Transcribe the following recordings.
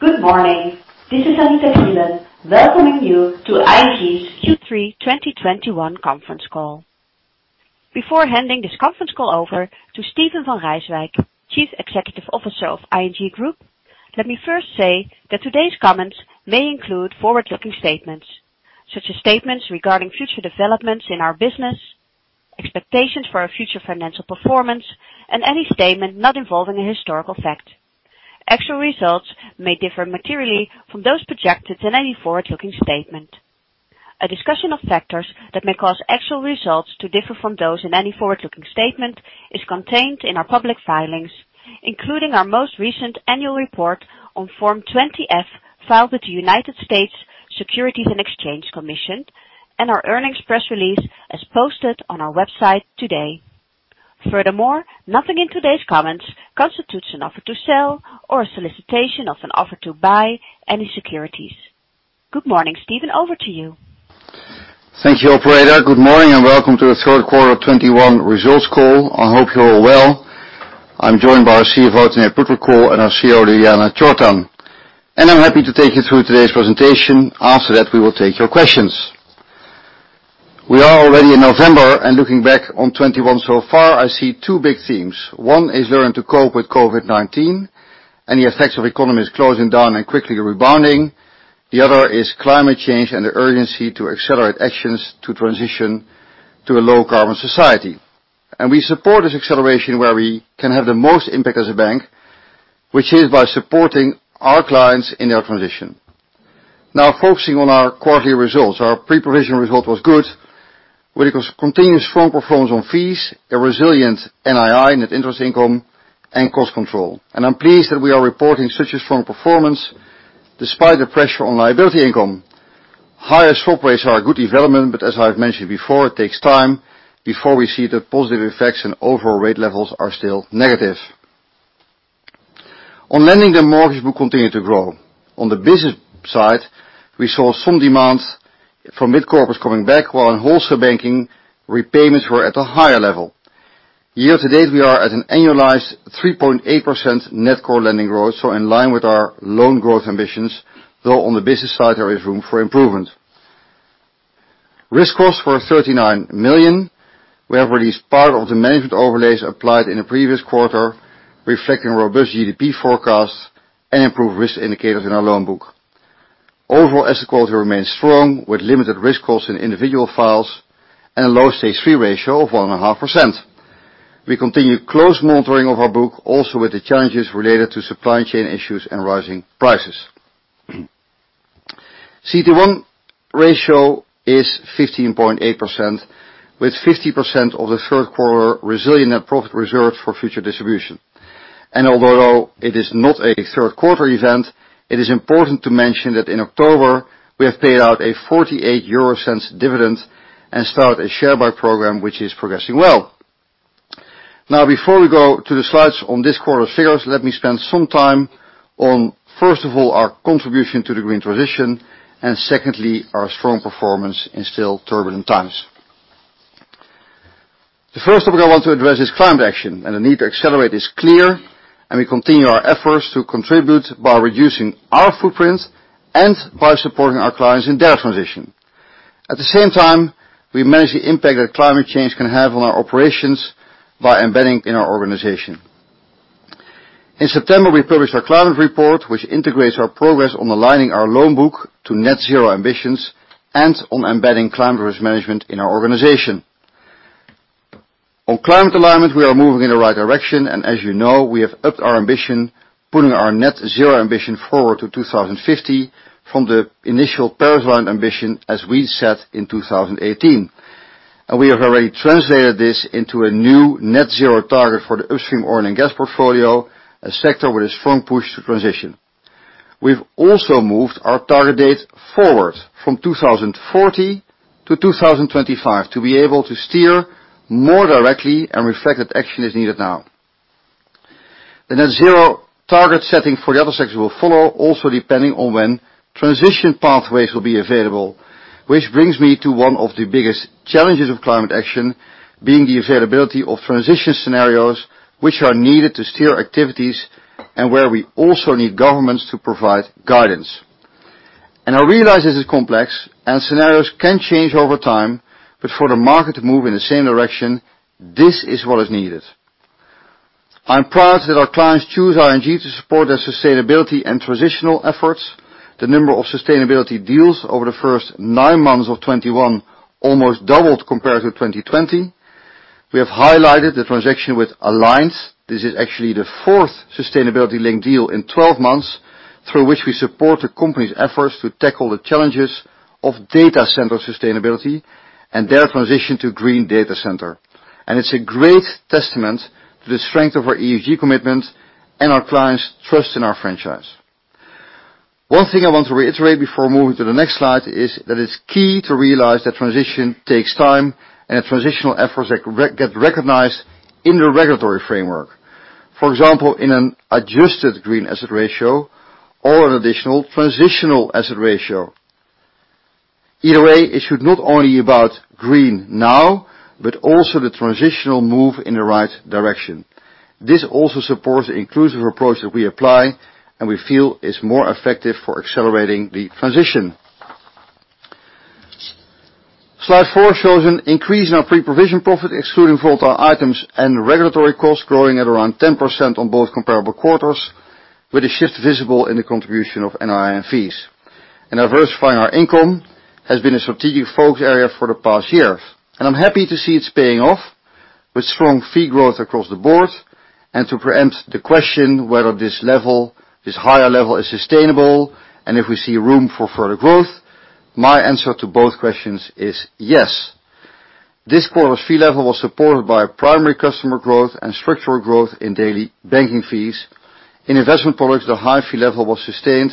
Goodmorning. This is Anita Krielen welcoming you to ING's Q3 2021 conference call. Before handing this conference call over to Steven van Rijswijk, CEO of ING Groep, let me first say that today's comments may include forward-looking statements such as statements regarding future developments in our business, expectations for our future financial performance, and any statement not involving a historical fact. Actual results may differ materially from those projected in any forward-looking statement. A discussion of factors that may cause actual results to differ from those in any forward-looking statement is contained in our public filings, including our most recent annual report on Form 20-F filed with the United States Securities and Exchange Commission and our earnings press release as posted on our website today. Furthermore, nothing in today's comments constitutes an offer to sell or a solicitation of an offer to buy any securities. Good morning, Steven. Over to you. Thank you, operator. Good morning and welcome to the Q3 of 2021 results call. I hope you're all well. I'm joined by our CFO, Tanate Phutrakul, and our COO, Ljiljana Čortan. I'm happy to take you through today's presentation. After that, we will take your questions. We are already in November, and looking back on 2021 so far, I see two big themes. One is learning to cope with COVID-19 and the effects of economies closing down and quickly rebounding. The other is climate change and the urgency to accelerate actions to transition to a low carbon society. We support this acceleration where we can have the most impact as a bank which is by supporting our clients in their transition. Now focusing on our quarterly results. Our pre-provision result was good, with a continuous strong performance on fees, a resilient NII, net interest income, and cost control. I'm pleased that we are reporting such a strong performance despite the pressure on liability income. Higher swap rates are a good development, but as I've mentioned before, it takes time before we see the positive effects and overall rate levels are still negative. On lending, the mortgage book continued to grow. On the business side, we saw some demand from mid-corporate coming back, while in wholesale banking, repayments were at a higher level. Year to date, we are at an annualized 3.8% net core lending growth, so in line with our loan growth ambitions, though on the business side there is room for improvement. Risk costs were 39 million. We have released part of the management overlays applied in the previous quarter, reflecting robust GDP forecasts and improved risk indicators in our loan book. Overall, asset quality remains strong, with limited risk costs in individual files and a low-stage three ratio of 1.5%. We continue close monitoring of our book also with the challenges related to supply chain issues and rising prices. CET1 ratio is 15.8%, with 50% of the Q3 resilient net profit reserved for future distribution. Although it is not a Q3 event, it is important to mention that in October we have paid out a 0.48 dividend and started a share buy program which is progressing well. Now before we go to the slides on this quarter's figures, let me spend some time on, first of all, our contribution to the green transition, and secondly, our strong performance in still turbulent times. The first topic I want to address is climate action, and the need to accelerate is clear, and we continue our efforts to contribute by reducing our footprint and by supporting our clients in their transition. At the same time, we manage the impact that climate change can have on our operations by embedding in our organization. In September, we published our climate report, which integrates our progress on aligning our loan book to net zero ambitions and on embedding climate risk management in our organization. On climate alignment, we are moving in the right direction and as you know, we have upped our ambition, putting our net zero ambition forward to 2050 from the initial Paris line ambition as we set in 2018. We have already translated this into a new net zero target for the upstream oil and gas portfolio, a sector with a strong push to transition. We've also moved our target date forward from 2014 to 2025 to be able to steer more directly and reflect that action is needed now. The net zero target setting for the other sectors will follow, also depending on when transition pathways will be available, which brings me to one of the biggest challenges of climate action being the availability of transition scenarios which are needed to steer activities and where we also need governments to provide guidance. I realize this is complex and scenarios can change over time, but for the market to move in the same direction, this is what is needed. I'm proud that our clients choose ING to support their sustainability and transitional efforts. The number of sustainability deals over the first nine months of 2021 almost doubled compared to 2020. We have highlighted the transaction with Aligned. This is actually the fourth sustainability linked deal in 12 months through which we support the company's efforts to tackle the challenges of data center sustainability and their transition to green data center. It's a great testament to the strength of our ESG commitment and our clients' trust in our franchise. One thing I want to reiterate before moving to the next slide is that it's key to realize that transition takes time and that transitional efforts get recognized in the regulatory framework. For example, in an adjusted green asset ratio or an additional transitional asset ratio. Either way, it should not only be about green now, but also the transitional move in the right direction. This also supports the inclusive approach that we apply and we feel is more effective for accelerating the transition. Slide four shows an increase in our pre-provision profit, excluding volatile items and regulatory costs growing at around 10% on both comparable quarters, with a shift visible in the contribution of NII and fees. Diversifying our income has been a strategic focus area for the past year, and I'm happy to see it's paying off with strong fee growth across the board. To preempt the question whether this level, this higher level is sustainable and if we see room for further growth, my answer to both questions is yes. This quarter's fee level was supported by primary customer growth and structural growth in daily banking fees. In investment products, the high fee level was sustained,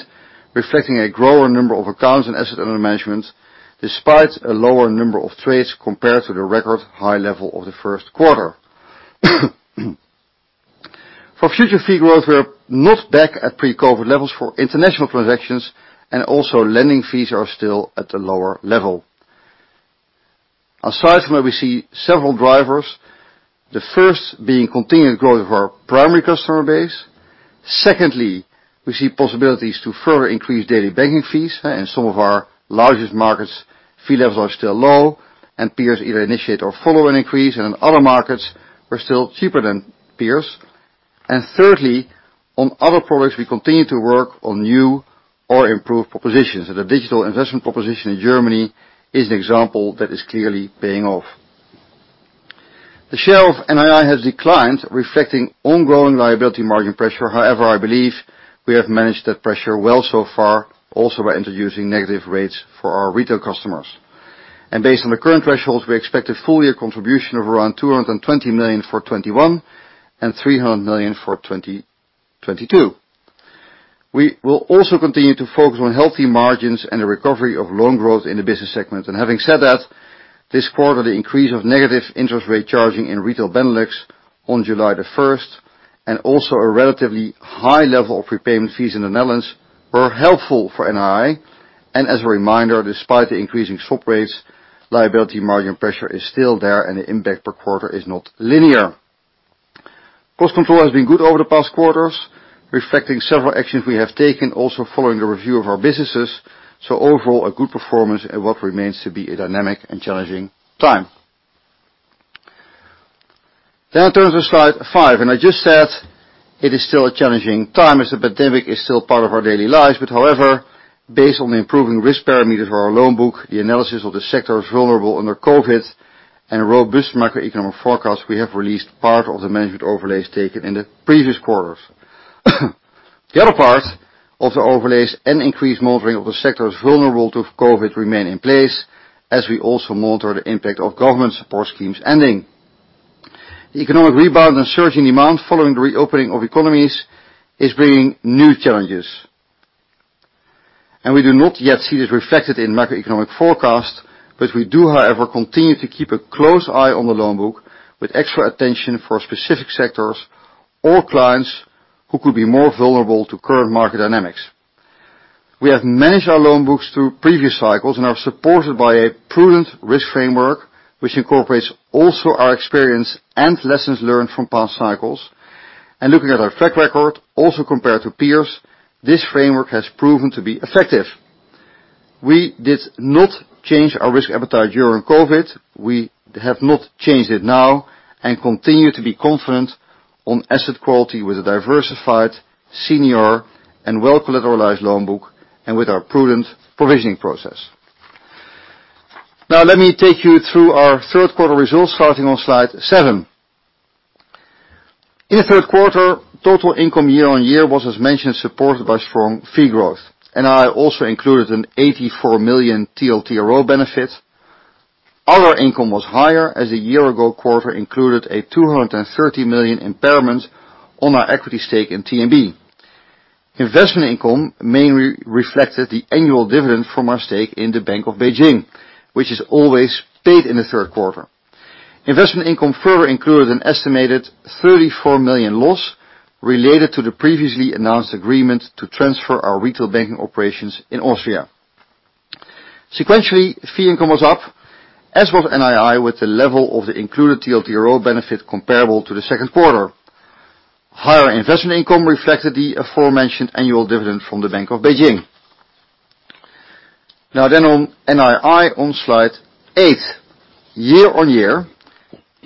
reflecting a growing number of accounts and assets under management, despite a lower number of trades compared to the record high level of the Q1. For future fee growth, we're not back at pre-COVID levels for international transactions and also lending fees are still at a lower level. Aside from that, we see several drivers, the first being continued growth of our primary customer base. Secondly, we see possibilities to further increase daily banking fees. In some of our largest markets, fee levels are still low, and peers either initiate or follow an increase. In other markets we're still cheaper than peers. Thirdly, on other products, we continue to work on new or improved propositions. The digital investment proposition in Germany is an example that is clearly paying off. The share of NII has declined, reflecting ongoing liability margin pressure. However, I believe we have managed that pressure well so far, also by introducing negative rates for our retail customers. Based on the current thresholds, we expect a full year contribution of around 220 million for 2021 and 300 million for 2022. We will also continue to focus on healthy margins and the recovery of loan growth in the business segment. Having said that, this quarter the increase of negative interest rate charging in Retail Benelux on July 1st and also a relatively high level of prepayment fees in the Netherlands were helpful for NII. As a reminder, despite the increasing swap rates, liability margin pressure is still there and the impact per quarter is not linear. Cost control has been good over the past quarters, reflecting several actions we have taken, also following a review of our businesses. Overall, a good performance at what remains to be a dynamic and challenging time. In terms of Slide 5, I just said it is still a challenging time as the pandemic is still part of our daily lives. However, based on the improving risk parameters of our loan book, the analysis of the sectors vulnerable to COVID and a robust macroeconomic forecast, we have released part of the management overlays taken in the previous quarters. The other part of the overlays and increased monitoring of the sectors vulnerable to COVID remain in place as we also monitor the impact of government support schemes ending. The economic rebound and surging demand following the reopening of economies is bringing new challenges, and we do not yet see this reflected in macroeconomic forecast. We do, however, continue to keep a close eye on the loan book with extra attention for specific sectors or clients who could be more vulnerable to current market dynamics. We have managed our loan books through previous cycles and are supported by a prudent risk framework, which incorporates also our experience and lessons learned from past cycles. Looking at our track record, also compared to peers, this framework has proven to be effective. We did not change our risk appetite during COVID, we have not changed it now and continue to be confident on asset quality with a diversified, senior and well collateralized loan book and with our prudent provisioning process. Now let me take you through our Q3 results starting on slide seven. In the Q3, total income year-over-year was as mentioned, supported by strong fee growth. NII also included an 84 million TLTRO benefit. Other income was higher as the year ago quarter included a 230 million impairment on our equity stake in TMB. Investment income mainly reflected the annual dividend from our stake in the Bank of Beijing, which is always paid in the Q3. Investment income further included an estimated 34 million loss related to the previously announced agreement to transfer our retail banking operations in Austria. Sequentially, fee income was up, as was NII, with the level of the included TLTRO benefit comparable to the Q2. Higher investment income reflected the aforementioned annual dividend from the Bank of Beijing. Now then on NII on slide eight. Year-on-year,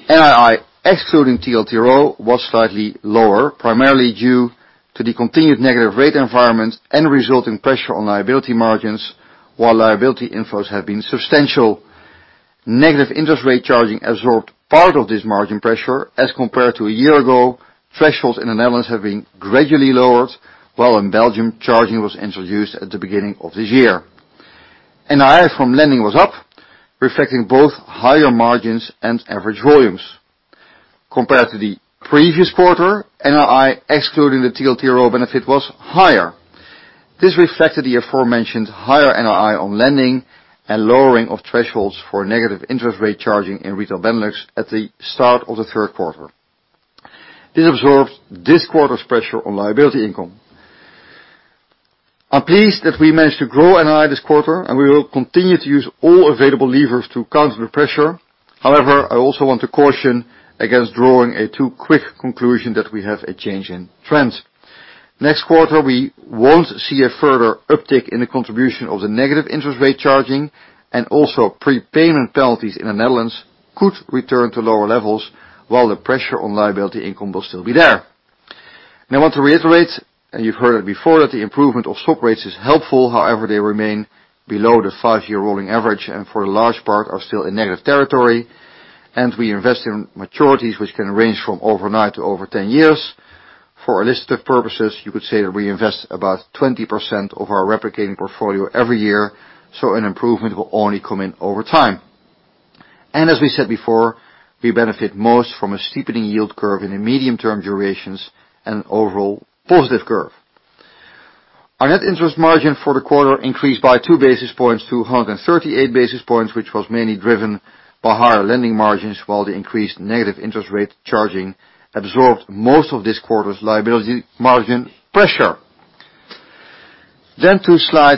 NII excluding TLTRO was slightly lower, primarily due to the continued negative rate environment and resulting pressure on liability margins, while liability inflows have been substantial. Negative interest rate charging absorbed part of this margin pressure as compared to a year ago. Thresholds in the Netherlands have been gradually lowered, while in Belgium, charging was introduced at the beginning of this year. NII from lending was up, reflecting both higher margins and average volumes. Compared to the previous quarter, NII excluding the TLTRO benefit was higher. This reflected the aforementioned higher NII on lending and lowering of thresholds for negative interest rate charging in retail Benelux at the start of the Q3. This absorbs this quarter's pressure on liability income. I'm pleased that we managed to grow NII this quarter, and we will continue to use all available levers to counter the pressure. However, I also want to caution against drawing a too-quick conclusion that we have a change in trends. Next quarter, we won't see a further uptick in the contribution of the negative interest rate charging, and also prepayment penalties in the Netherlands could return to lower levels while the pressure on liability income will still be there. Now, I want to reiterate, and you've heard it before, that the improvement of stock rates is helpful. However, they remain below the five-year rolling average, and for a large part are still in negative territory. We invest in maturities which can range from overnight to over 10 years. For illustrative purposes, you could say that we invest about 20% of our replicating portfolio every year, so an improvement will only come in over time. As we said before, we benefit most from a steepening yield curve in the medium-term durations and an overall positive curve. Our net interest margin for the quarter increased by two basis points to 138 basis points, which was mainly driven by higher lending margins while the increased negative interest rate charging absorbed most of this quarter's liability margin pressure. To Slide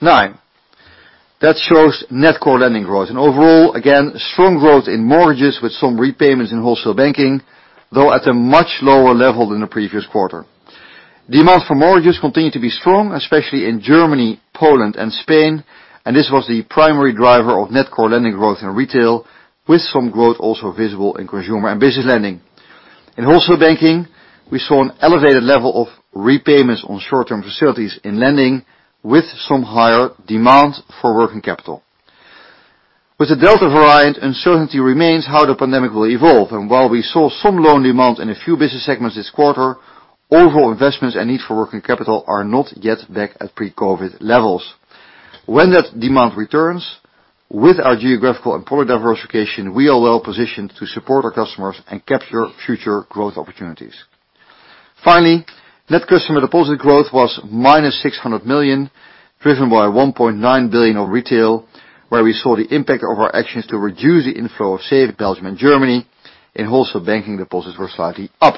nine. That shows net core lending growth and overall, again, strong growth in mortgages with some repayments in wholesale banking, though at a much lower level than the previous quarter. Demand for mortgages continued to be strong, especially in Germany, Poland, and Spain, and this was the primary driver of net core lending growth in retail, with some growth also visible in consumer and business lending. In wholesale banking, we saw an elevated level of repayments on short-term facilities in lending, with some higher demand for working capital. With the Delta variant, uncertainty remains how the pandemic will evolve. While we saw some loan demand in a few business segments this quarter, overall investments and need for working capital are not yet back at pre-COVID levels. When that demand returns, with our geographical and product diversification, we are well-positioned to support our customers and capture future growth opportunities. Finally, net customer deposit growth was -600 million, driven by 1.9 billion of retail, where we saw the impact of our actions to reduce the inflow of savings Belgium and Germany. In wholesale banking, deposits were slightly up.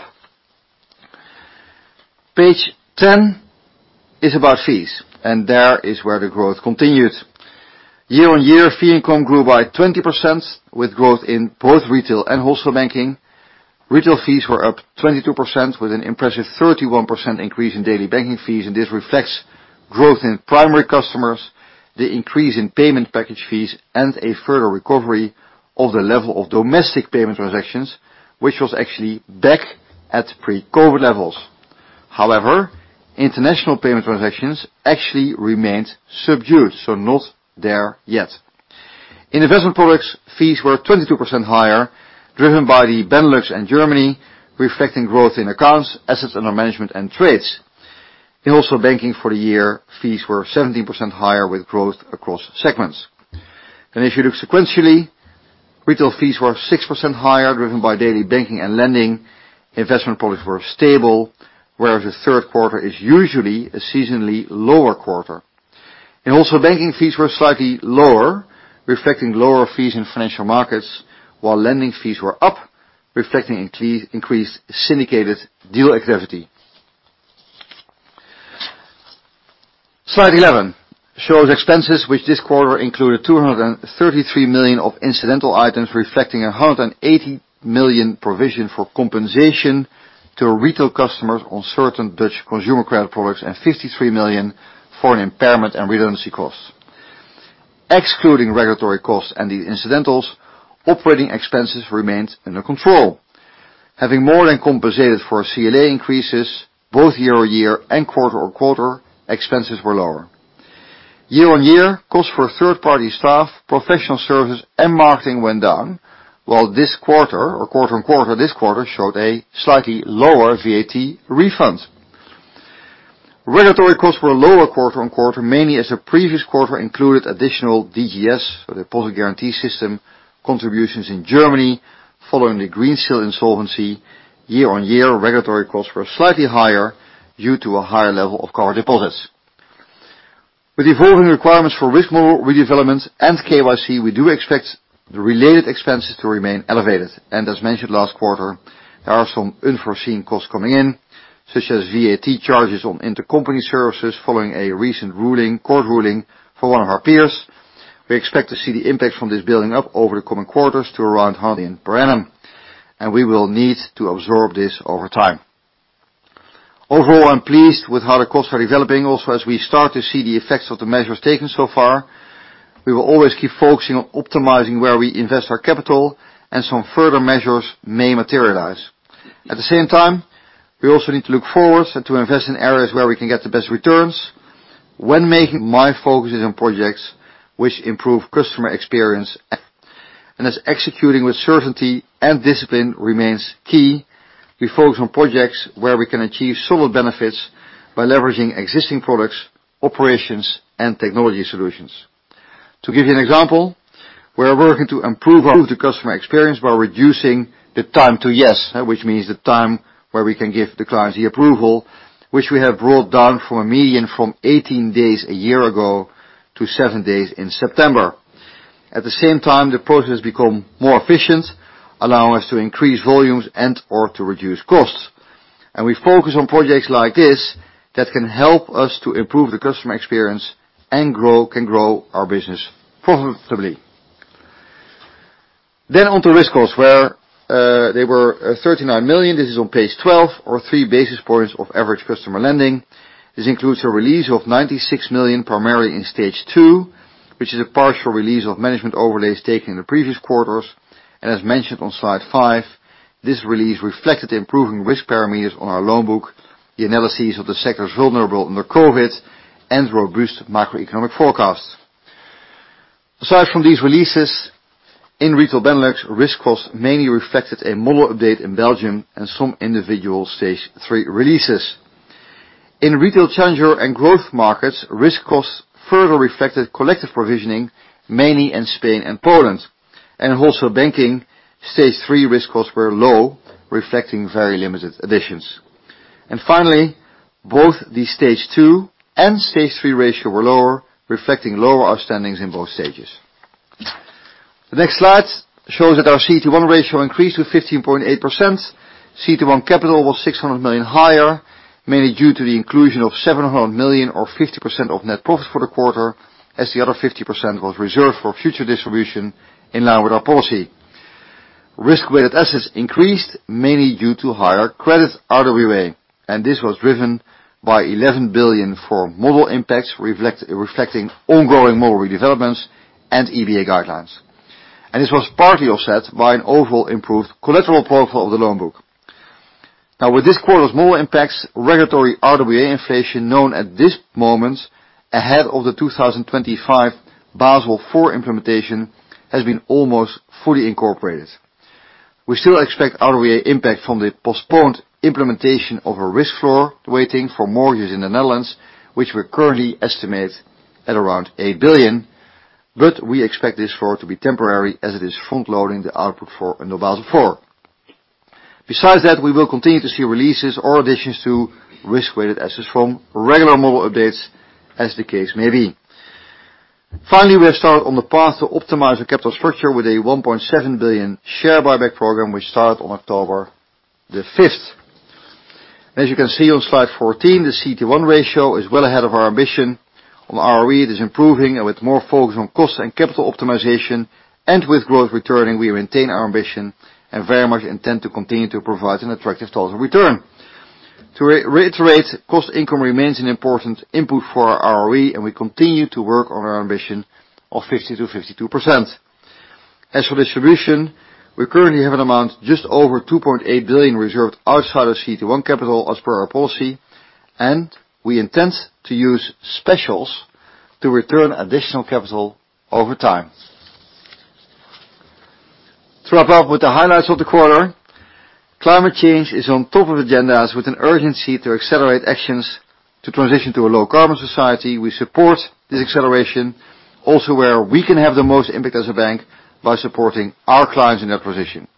Page 10 is about fees, and there is where the growth continues. Year-on-year, fee income grew by 20% with growth in both retail and wholesale banking. Retail fees were up 22% with an impressive 31% increase in daily banking fees, and this reflects growth in primary customers, the increase in payment package fees, and a further recovery of the level of domestic payment transactions, which was actually back at pre-COVID levels. However, international payment transactions actually remained subdued, so not there yet. Investment products fees were 22% higher, driven by the Benelux and Germany, reflecting growth in accounts, assets under management, and trades. In wholesale banking for the year, fees were 17% higher with growth across segments. If you look sequentially, retail fees were six percent higher, driven by daily banking and lending. Investment products were stable, whereas the Q3 is usually a seasonally lower quarter. In wholesale banking, fees were slightly lower, reflecting lower fees in financial markets while lending fees were up, reflecting increased syndicated deal activity. Slide 11 shows expenses which this quarter included 233 million of incidental items, reflecting 180 million provision for compensation to retail customers on certain Dutch consumer credit products and 53 million for an impairment and redundancy cost. Excluding regulatory costs and the incidentals, operating expenses remained under control. Having more than compensated for our CLA increases both year-on-year and quarter-on-quarter, expenses were lower. Year-on-year, costs for third-party staff, professional services, and marketing went down, while this quarter, or quarter-on-quarter, this quarter showed a slightly lower VAT refund. Regulatory costs were lower quarter-on-quarter, mainly as the previous quarter included additional DGS, or Deposit Guarantee System, contributions in Germany following the Greensill insolvency. Year-on-year, regulatory costs were slightly higher due to a higher level of covered deposits. With evolving requirements for risk model redevelopments and KYC, we do expect the related expenses to remain elevated. As mentioned last quarter, there are some unforeseen costs coming in, such as VAT charges on intercompany services following a recent ruling, court ruling for one of our peers. We expect to see the impact from this building up over the coming quarters to around 100 per annum, and we will need to absorb this over time. Overall, I'm pleased with how the costs are developing. Also, as we start to see the effects of the measures taken so far, we will always keep focusing on optimizing where we invest our capital and some further measures may materialize. At the same time, we also need to look forward and to invest in areas where we can get the best returns. When making, my focus is on projects which improve customer experience. As executing with certainty and discipline remains key, we focus on projects where we can achieve solid benefits by leveraging existing products, operations, and technology solutions. To give you an example, we are working to improve the customer experience by reducing the time to yes, which means the time where we can give the client the approval, which we have brought down from almost 18 days a year ago to seven days in September. At the same time, the process become more efficient, allowing us to increase volumes and or to reduce costs. We focus on projects like this that can help us to improve the customer experience and grow our business profitably. On to risk costs, where they were 39 million. This is on page 12 or 13 basis points of average customer lending. This includes a release of 96 million, primarily in stage two, which is a partial release of management overlays taken in the previous quarters. As mentioned on slide five, this release reflected improving risk parameters on our loan book, the analysis of the sectors vulnerable under COVID and robust macroeconomic forecasts. Aside from these releases in retail Benelux, risk costs mainly reflected a model update in Belgium and some individual stage three releases. In retail challenger and growth markets, risk costs further reflected collective provisioning, mainly in Spain and Poland. In wholesale banking, stage three risk costs were low, reflecting very limited additions. Finally, both the stage two and stage three ratio were lower, reflecting lower outstandings in both stages. The next slide shows that our CET1 ratio increased to 15.8%. CET1 capital was 600 million higher, mainly due to the inclusion of 700 million or 50% of net profits for the quarter, as the other 50% was reserved for future distribution in line with our policy. Risk-weighted assets increased mainly due to higher credit RWA, and this was driven by 11 billion for model impacts reflecting ongoing model redevelopments and EBA guidelines. This was partly offset by an overall improved collateral portfolio of the loan book. Now, with this quarter's model impacts, regulatory RWA inflation known at this moment ahead of the 2025 Basel IV implementation has been almost fully incorporated. We still expect RWA impact from the postponed implementation of a risk floor, weighting for mortgages in the Netherlands, which we currently estimate at around 8 billion. We expect this floor to be temporary as it is front loading the output for a new Basel IV. Besides that, we will continue to see releases or additions to risk-weighted assets from regular model updates as the case may be. Finally, we have started on the path to optimize the capital structure with a 1.7 billion share buyback program, which started on October 5th. As you can see on slide 14, the CET1 ratio is well ahead of our ambition. On ROE, it is improving and with more focus on cost and capital optimization, and with growth returning, we maintain our ambition and very much intend to continue to provide an attractive total return. To reiterate, cost income remains an important input for our ROE, and we continue to work on our ambition of 50%-52%. As for distribution, we currently have an amount just over 2.8 billion reserved outside of CET1 capital as per our policy, and we intend to use specials to return additional capital over time. To wrap up with the highlights of the quarter, climate change is on top of agendas with an urgency to accelerate actions to transition to a low carbon society. We support this acceleration also where we can have the most impact as a bank by supporting our clients in that position.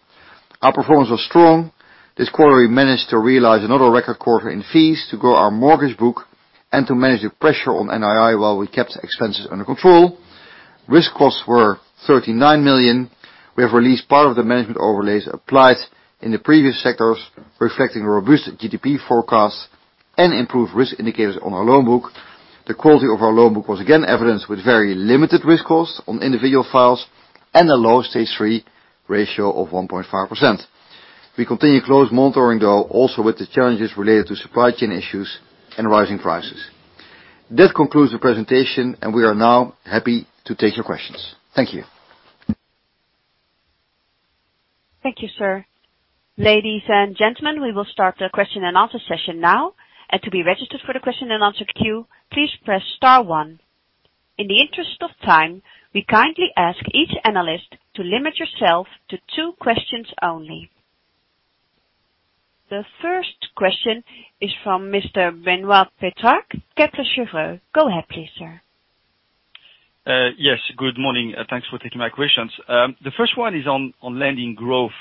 Our performance was strong. This quarter, we managed to realize another record quarter in fees to grow our mortgage book and to manage the pressure on NII while we kept expenses under control. Risk costs were 39 million. We have released part of the management overlays applied in the previous sectors, reflecting robust GDP forecasts and improved risk indicators on our loan book. The quality of our loan book was again evidenced with very limited risk costs on individual files and a low stage three ratio of 1.5%. We continue close monitoring, though, also with the challenges related to supply chain issues and rising prices. That concludes the presentation, and we are now happy to take your questions. Thank you. Thank you, sir. Ladies and gentlemen, we will start the question and answer session now. To be registered for the question and answer queue, please press star one. In the interest of time, we kindly ask each analyst to limit yourself to two questions only. The first question is from Mr. Benoît Pétrarque, Kepler Cheuvreux. Go ahead, please, sir. Yes. Good morning. Thanks for taking my questions. The first one is on lending growth.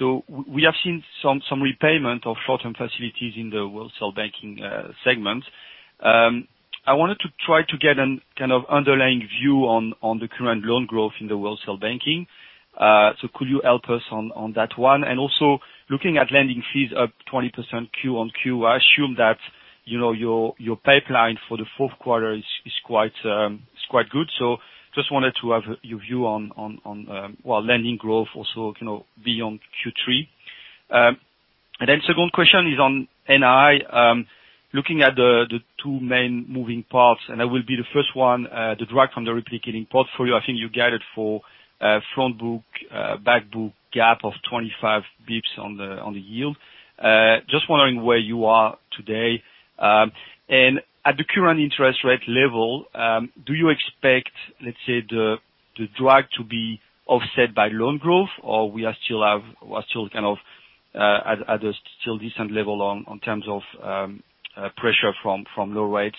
We have seen some repayment of short-term facilities in the wholesale banking segment. I wanted to try to get a kind of underlying view on the current loan growth in the wholesale banking. Could you help us on that one? Also looking at lending fees up 20% Q-on-Q, I assume that, you know, your pipeline for the fourth quarter is quite good. Just wanted to have your view on lending growth also, you know, beyond Q3. Second question is on NII. Looking at the two main moving parts, that will be the first one, the drag from the replicating portfolio. I think you guided for front book back book gap of 25 basis points on the yield. Just wondering where you are today. At the current interest rate level, do you expect, let's say, the drag to be offset by loan growth, or we are still kind of at a still decent level in terms of pressure from low rates?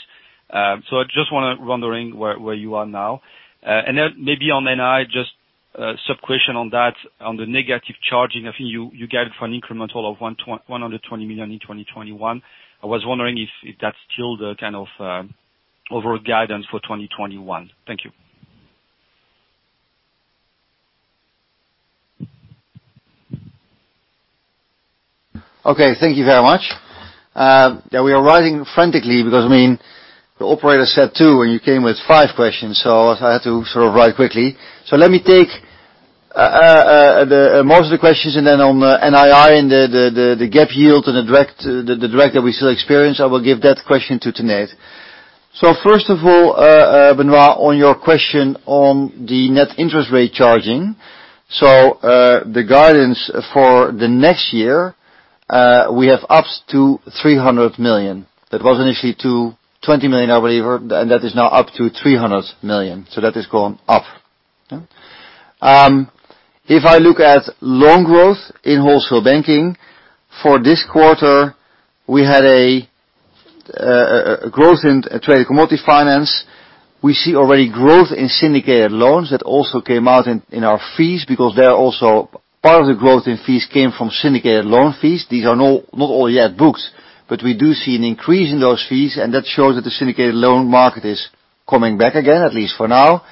I just wondering where you are now. Then maybe on NII. Just a subquestion on that, on the negative charging. I think you guided for an incremental of 120 million in 2021. I was wondering if that's still the kind of overall guidance for 2021. Thank you. Okay. Thank you very much. We are writing frantically because, I mean, the operator said two, and you came with five questions, so I had to sort of write quickly. Let me take most of the questions then on NII and the gap yield and the deposit that we still experience. I will give that question to Tanate. First of all, Benoît, on your question on the net interest rate charging. The guidance for the next year, we have up to 300 million. That was initially 220 million, I believe, and that is now up to 300 million. That has gone up. If I look at loan growth in wholesale banking for this quarter, we had a growth in trade commodity finance. We see already growth in syndicated loans that also came out in our fees because they are also part of the growth in fees came from syndicated loan fees. These are not all yet booked, but we do see an increase in those fees, and that shows that the syndicated loan market is coming back again, at least for now.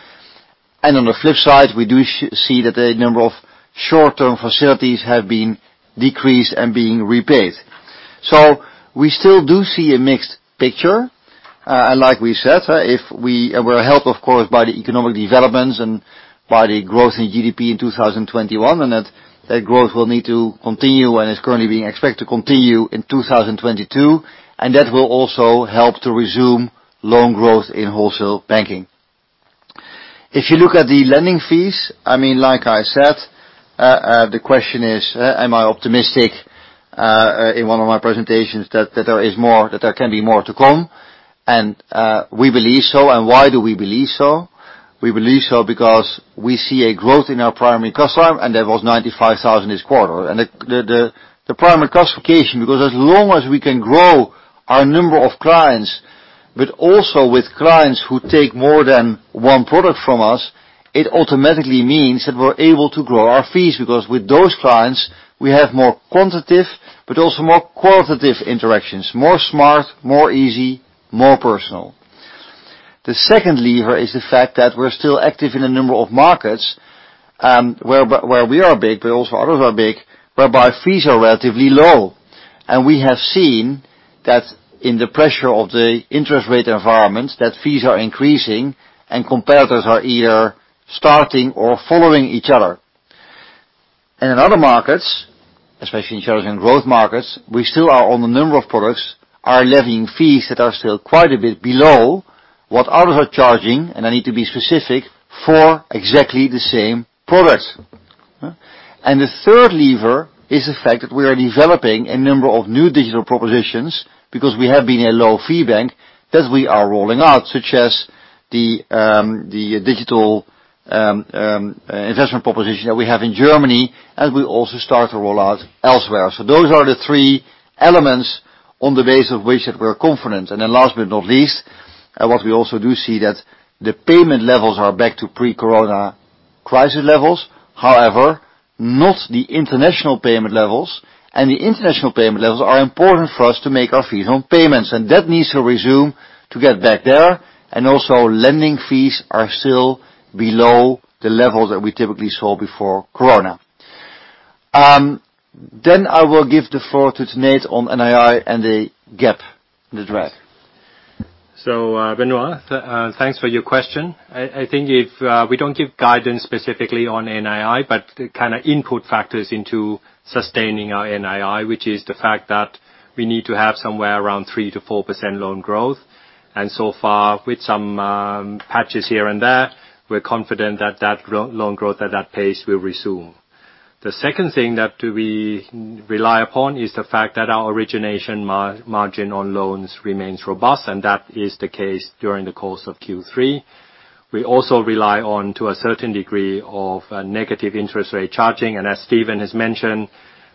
On the flip side, we do see that the number of short-term facilities have been decreased and being repaid. We still do see a mixed picture, and like we said, we're helped, of course, by the economic developments and by the growth in GDP in 2021, and that growth will need to continue and is currently being expected to continue in 2022, and that will also help to resume loan growth in wholesale banking. If you look at the lending fees, I mean, like I said, the question is, am I optimistic, in one of my presentations that there is more, that there can be more to come? We believe so. Why do we believe so? We believe so because we see a growth in our primary customer, and there was 95,000 this quarter. The primary classification, because as long as we can grow our number of clients, but also with clients who take more than one product from us, it automatically means that we're able to grow our fees, because with those clients, we have more quantitative, but also more qualitative interactions, more smart, more easy, more personal. The second lever is the fact that we're still active in a number of markets, where we are big, but also others are big, whereby fees are relatively low. We have seen that in the pressure of the interest rate environments, that fees are increasing and competitors are either starting or following each other. In other markets, especially in challenging growth markets, we still are on a number of products, are levying fees that are still quite a bit below what others are charging, and I need to be specific, for exactly the same products. The third lever is the fact that we are developing a number of new digital propositions because we have been a low-fee bank that we are rolling out, such as the digital investment proposition that we have in Germany, and we also start to roll out elsewhere. Those are the three elements on the basis of which that we're confident. Then last but not least, what we also do see that the payment levels are back to pre-corona crisis levels. However, not the international payment levels. The international payment levels are important for us to make our fees on payments, and that needs to resume to get back there. Also lending fees are still below the levels that we typically saw before corona. Then I will give the floor to Tanate Phutrakul on NII and the gap, the drag. Benoît, thanks for your question. I think if we don't give guidance specifically on NII, but the kinda input factors into sustaining our NII, which is the fact that we need to have somewhere around 3%-4% loan growth. With some patches here and there, we're confident that loan growth at that pace will resume. The second thing that we rely upon is the fact that our origination margin on loans remains robust, and that is the case during the course of Q3. We also rely on, to a certain degree, of negative interest rate charging. As Steven has mentioned,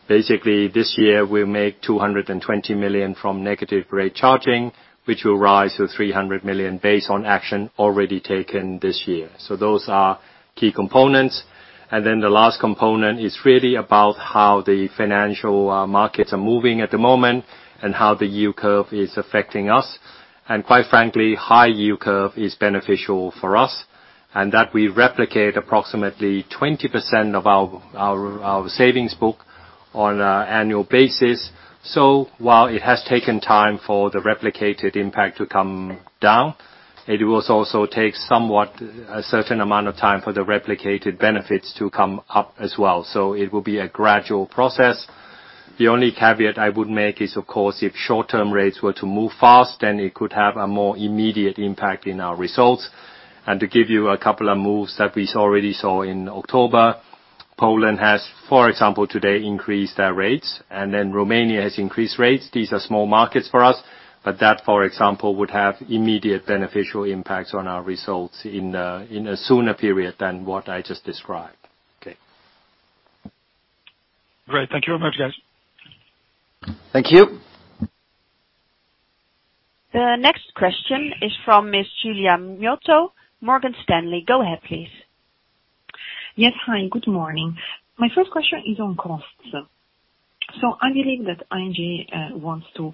basically this year, we make 220 million from negative rate charging, which will rise to 300 million based on action already taken this year. Those are key components. The last component is really about how the financial markets are moving at the moment and how the yield curve is affecting us. Quite frankly, high yield curve is beneficial for us, and that we reprice approximately 20% of our savings book on an annual basis. While it has taken time for the repricing impact to come down, it will also take somewhat a certain amount of time for the repricing benefits to come up as well. It will be a gradual process. The only caveat I would make is, of course, if short-term rates were to move fast, then it could have a more immediate impact in our results. To give you a couple of moves that we already saw in October, Poland has, for example, today, increased their rates, and then Romania has increased rates. These are small markets for us, but that, for example, would have immediate beneficial impacts on our results in a sooner period than what I just described. Okay. Great. Thank you very much, guys. Thank you. The next question is from Miss Giulia Miotto, Morgan Stanley. Go ahead, please. Yes. Hi, good morning. My first question is on costs. I'm hearing that ING wants to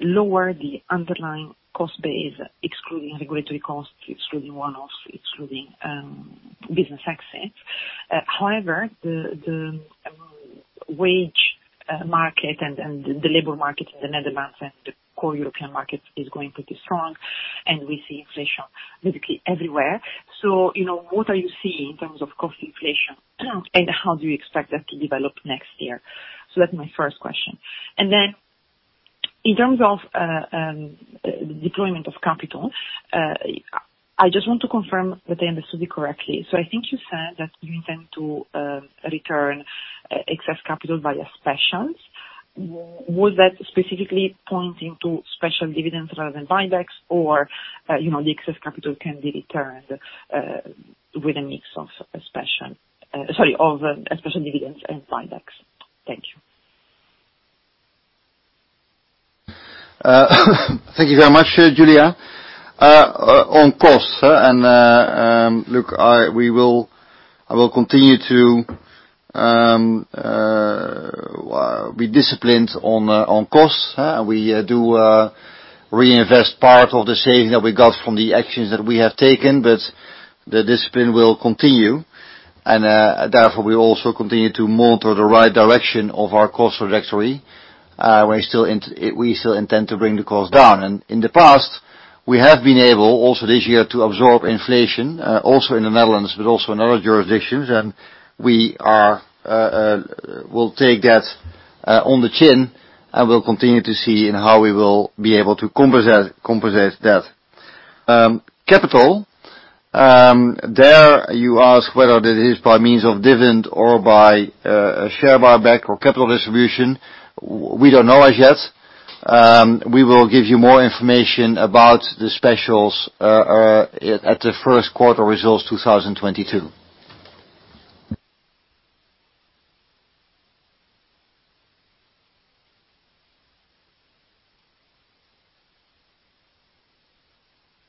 lower the underlying cost base, excluding regulatory costs, excluding one-offs, excluding business exits. However, the wage market and the labor market in the Netherlands and the core European markets is going pretty strong, and we see inflation basically everywhere. You know, what are you seeing in terms of cost inflation? And how do you expect that to develop next year? That's my first question. In terms of deployment of capital, I just want to confirm that I understood it correctly. I think you said that you intend to return excess capital via specials. Was that specifically pointing to special dividends rather than buybacks? You know, the excess capital can be returned with a mix of special dividends and buybacks. Thank you. Thank you very much, Giulia. On costs, look, I will continue to be disciplined on costs. We reinvest part of the savings that we got from the actions that we have taken, but the discipline will continue. Therefore, we also continue to monitor the right direction of our cost trajectory. We still intend to bring the costs down. In the past, we have been able, also this year, to absorb inflation, also in the Netherlands, and we will take that on the chin, and we'll continue to see how we will be able to compensate that. Capital, there you ask whether it is by means of dividend or by a share buyback or capital distribution. We don't know as yet. We will give you more information about the specials at the first quarter results 2022.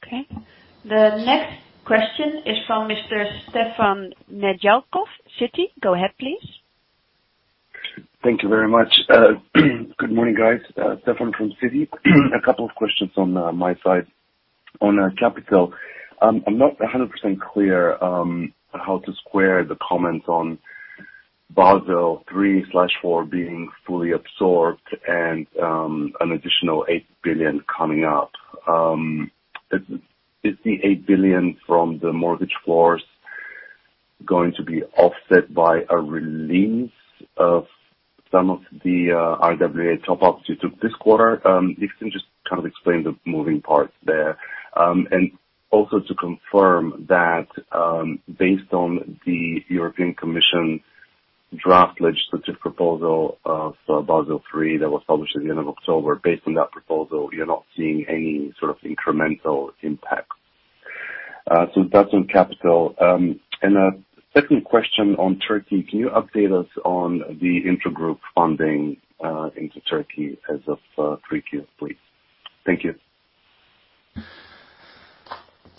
Okay. The next question is from Mr. Stefan Nedialkov, Citi. Go ahead, please. Thank you very much. Good morning, guys. Stefan from Citi. A couple of questions on my side. On capital, I'm not 100% clear how to square the comments on Basel III/IV being fully absorbed and an additional 8 billion coming up. Is the 8 billion from the mortgage floors going to be offset by a release of some of the RWA top-ups you took this quarter? If you can just kind of explain the moving parts there. Also to confirm that based on the European Commission draft legislative proposal for Basel III that was published at the end of October, based on that proposal, you're not seeing any sort of incremental impact. That's on capital. A second question on Turkey. Can you update us on the intragroup funding into Turkey as of Q3, please? Thank you.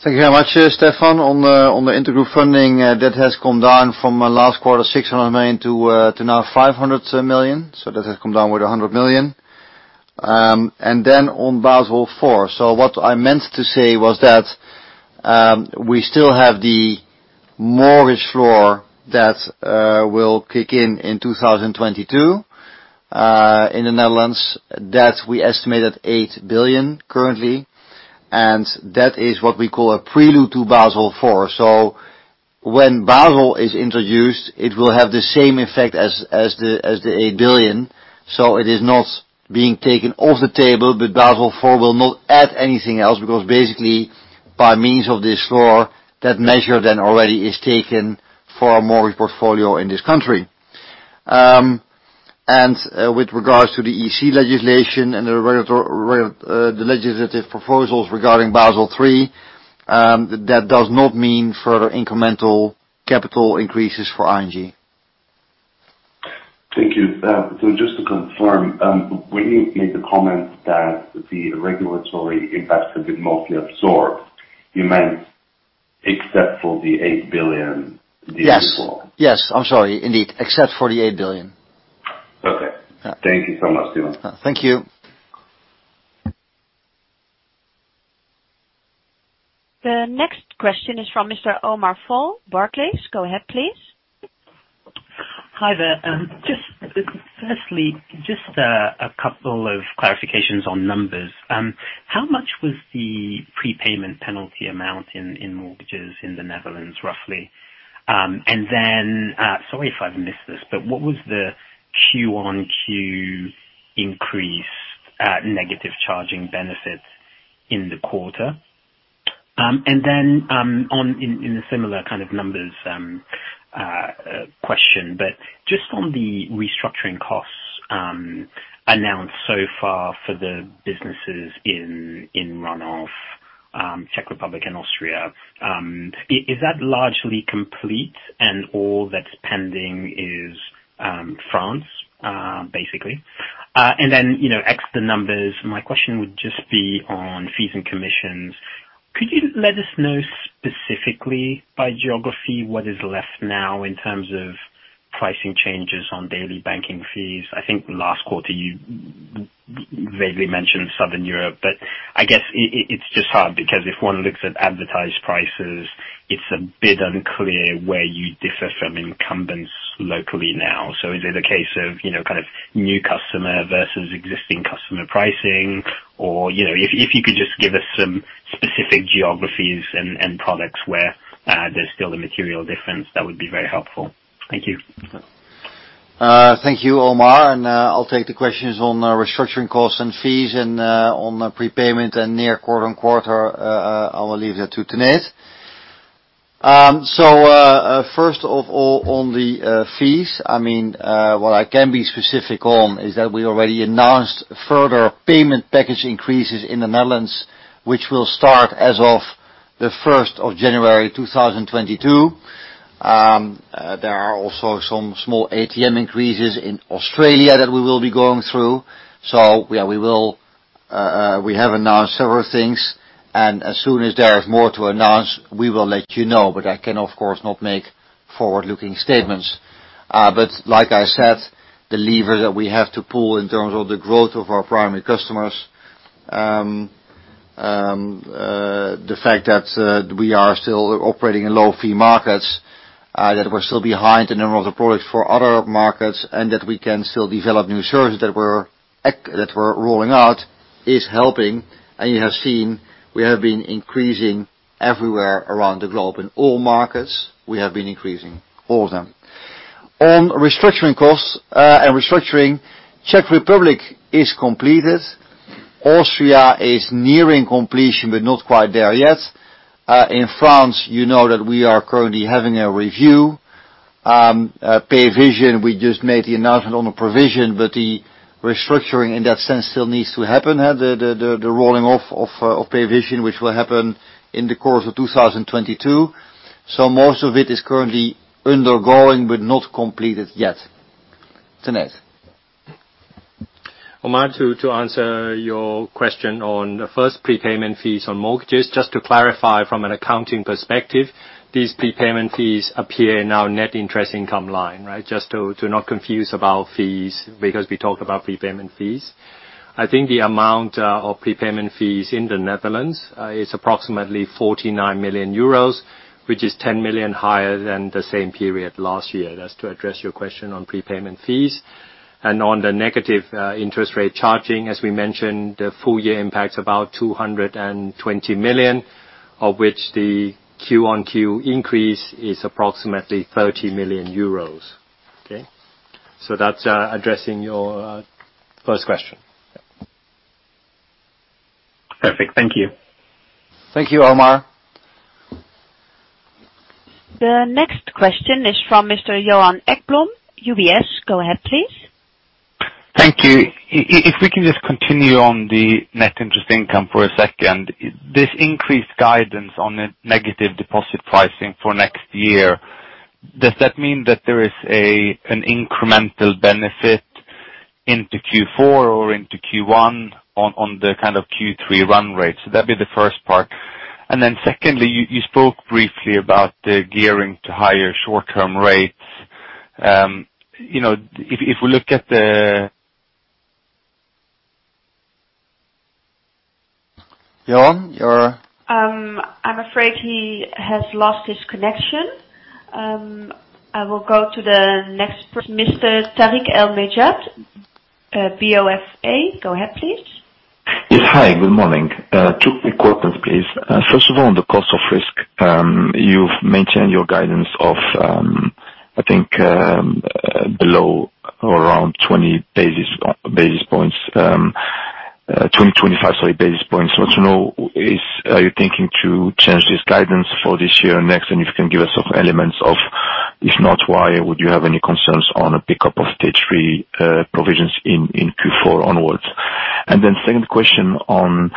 Thank you very much, Stefan. On the intragroup funding, that has come down from last quarter, 600 million to now 500 million. That has come down by 100 million. On Basel IV. What I meant to say was that we still have the mortgage floor that will kick in in 2022 in the Netherlands that we estimated 8 billion currently. That is what we call a prelude to Basel IV. When Basel is introduced, it will have the same effect as the 8 billion. It is not being taken off the table, but Basel IV will not add anything else, because basically, by means of this floor, that measure then already is taken for our mortgage portfolio in this country. With regards to the EC legislation and the regulator, the legislative proposals regarding Basel III, that does not mean further incremental capital increases for ING. Thank you. Just to confirm, when you made the comment that the regulatory impact had been mostly absorbed, you meant except for the 8 billion. Yes. I'm sorry. Indeed. Except for the 8 billion. Okay. Yeah. Thank you so much, Steven. Thank you. The next question is from Mr. Omar Fall, Barclays. Go ahead, please. Hi there. Just firstly, a couple of clarifications on numbers. How much was the prepayment penalty amount in mortgages in the Netherlands, roughly? Sorry if I've missed this, but what was the Q-on-Q increase in net charge and benefits in the quarter? On a similar kind of numbers question, but just on the restructuring costs announced so far for the businesses in run-off, Czech Republic and Austria. Is that largely complete and all that's pending is France, basically? You know, ex the numbers, my question would just be on fees and commissions. Could you let us know specifically by geography what is left now in terms of pricing changes on daily banking fees? I think last quarter you vaguely mentioned Southern Europe, but I guess it's just hard because if one looks at advertised prices, it's a bit unclear where you differ from incumbents locally now. Is it a case of, you know, kind of new customer versus existing customer pricing? Or, you know, if you could just give us some specific geographies and products where there's still a material difference, that would be very helpful. Thank you. Thank you, Omar. I'll take the questions on restructuring costs and fees and on the prepayment and year-on-year quarter-on-quarter. I will leave that to Tanate Phutrakul. First of all on the fees. I mean, what I can be specific on is that we already announced further payment package increases in the Netherlands, which will start as of January 1st 2022. There are also some small ATM increases in Austria that we will be going through. We have announced several things, and as soon as there is more to announce, we will let you know, but I can of course not make forward-looking statements. Like I said, the lever that we have to pull in terms of the growth of our primary customers, the fact that we are still operating in low fee markets, that we're still behind the number of the products for other markets, and that we can still develop new services that we're rolling out is helping. You have seen we have been increasing everywhere around the globe. In all markets, we have been increasing all of them. On restructuring costs and restructuring, Czech Republic is completed. Austria is nearing completion, but not quite there yet. In France, you know that we are currently having a review. Payvision, we just made the announcement on the provision, but the restructuring in that sense still needs to happen. The rolling off of Payvision, which will happen in the course of 2022. Most of it is currently undergoing, but not completed yet. Tanate Phutrakul. Omar, to answer your question on first prepayment fees on mortgages, just to clarify from an accounting perspective, these prepayment fees appear in our net interest income line, right? Just to not confuse about fees because we talked about prepayment fees. I think the amount of prepayment fees in the Netherlands is approximately 49 million euros, which is 10 million higher than the same period last year. That's to address your question on prepayment fees. On the negative interest rate charging, as we mentioned, the full year impact's about 220 million, of which the Q-on-Q increase is approximately 30 million euros. Okay? That's addressing your first question. Perfect. Thank you. Thank you, Omar. The next question is from Mr. Johan Ekblom, UBS. Go ahead, please. Thank you. If we can just continue on the net interest income for a second. This increased guidance on the negative deposit pricing for next year, does that mean that there is an incremental benefit into Q4 or into Q1 on the kind of Q3 run rate? That'd be the first part. Secondly, you spoke briefly about the gearing to higher short-term rates. You know, if we look at the... Johan, you're- I'm afraid he has lost his connection. I will go to the next person, Mr. Tarik El Mejjad, BofA. Go ahead, please. Yes. Hi, good morning. Two quick questions, please. First of all, on the cost of risk, you've maintained your guidance of, I think, below or around 20-25 basis points. I want to know, are you thinking to change this guidance for this year or next? If you can give us some elements of, if not, why would you have any concerns on a pickup of stage three provisions in Q4 onwards? Second question on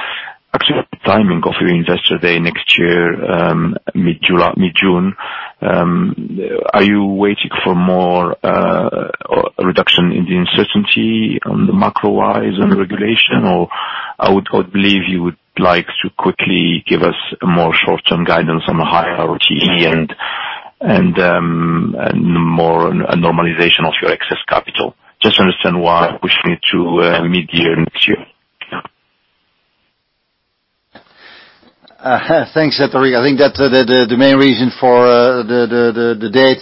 actually the timing of your Investor Day next year, mid-July, mid-June. Are you waiting for more reduction in the uncertainty on the macro-wise and regulation? I believe you would like to quickly give us a more short-term guidance on a higher ROTE and more normalization of your excess capital. Just to understand why pushing it to midyear next year. Thanks, Tarik El Mejjad. I think that the main reason for the date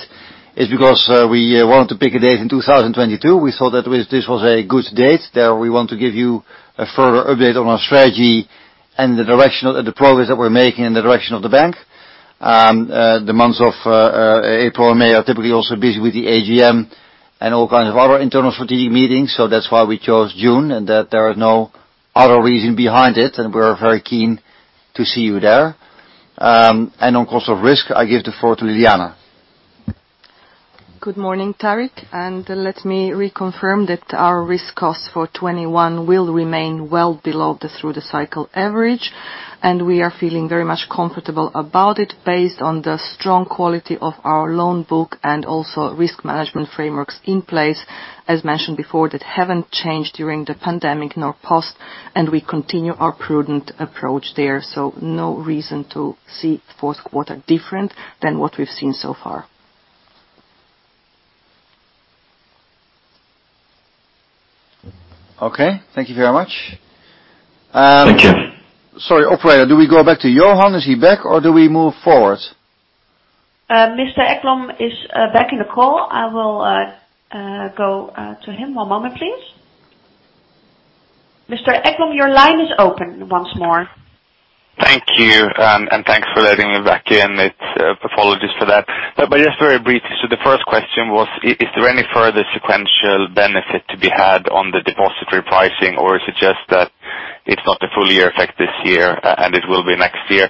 is because we wanted to pick a date in 2022. We thought that this was a good date. We want to give you a further update on our strategy and the progress that we're making and the direction of the bank. The months of April and May are typically also busy with the AGM and all kinds of other internal strategic meetings. That's why we chose June, and there is no other reason behind it, and we're very keen to see you there. On cost of risk, I give the floor to Ljiljana Čortan. Good morning, Tarik. Let me reconfirm that our risk costs for 2021 will remain well below the through-the-cycle average, and we are feeling very much comfortable about it based on the strong quality of our loan book and also risk management frameworks in place, as mentioned before, that haven't changed during the pandemic, nor post, and we continue our prudent approach there. No reason to see fourth quarter different than what we've seen so far. Okay, thank you very much. Thank you. Sorry, operator, do we go back to Johan? Is he back or do we move forward? Mr. Ekblom is back in the call. I will go to him. One moment, please. Mr. Ekblom, your line is open once more. Thank you, and thanks for letting me back in. Apologies for that. Just very briefly, the first question was is there any further sequential benefit to be had on the deposit repricing, or is it just that it's not the full year effect this year and it will be next year?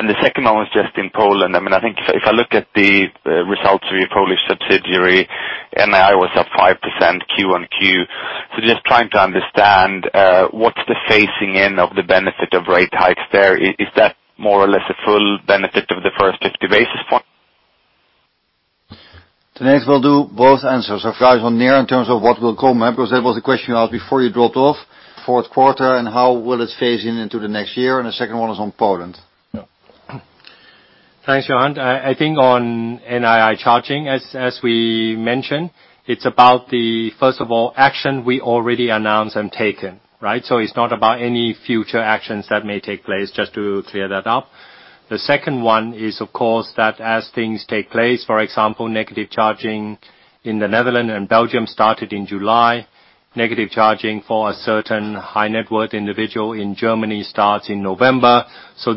The second one was just in Poland. I mean, I think if I look at the results of your Polish subsidiary, NII was up five percent Q-on-Q. Just trying to understand what's the phasing in of the benefit of rate hikes there. Is that more or less the full benefit of the first 50 basis points? Next we'll do both answers. If guys want to hear in terms of what we'll call them, because that was the question you asked before you dropped off, Q4 and how will it phase in into the next year. The second one was on Poland. Yeah. Thanks, Johan. I think on NII charging, as we mentioned, it's about the first of all action we already announced and taken, right? It's not about any future actions that may take place, just to clear that up. The second one is, of course, that as things take place, for example, negative charging in the Netherlands and Belgium started in July, negative charging for a certain high net worth individual in Germany starts in November.